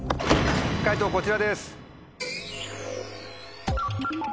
解答こちらです。